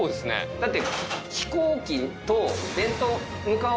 だって。